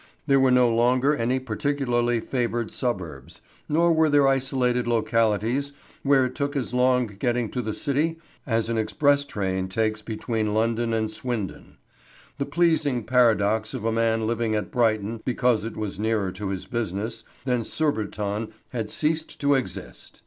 There were no longer any particularly favoured suburbs, nor were there isolated localities where it took as long getting to the City as an express train takes between London and Swindon. The pleasing paradox of a man living at Brighton because it was nearer to his business than Surbiton had ceased to exist.